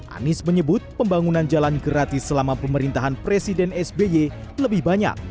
anies menyebut pembangunan jalan gratis selama pemerintahan presiden sby lebih banyak